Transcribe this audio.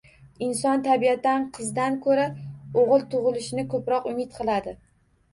Inson tabiatan qizdan ko‘ra o‘g‘il tug‘ilishini ko‘proq umid qiladi.